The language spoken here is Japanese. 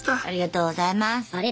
ありがとうございます。